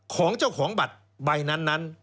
ของเจ้าของบัตรใบนั้น